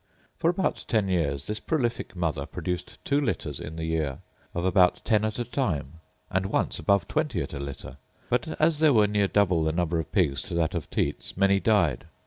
For about ten years this prolific mother produced two litters in the year of about ten at a time, and once above twenty at a litter; but, as there were near double the number of pigs to that of teats, many died.